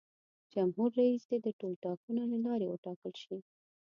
جمهور رئیس دې د ټولټاکنو له لارې وټاکل شي.